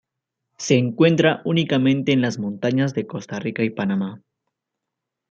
Se encuentra únicamente en las montañas de Costa Rica y Panamá.